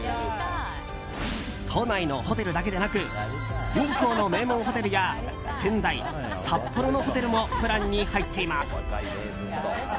都内のホテルだけでなく日光の名門ホテルや仙台、札幌のホテルもプランに入っています。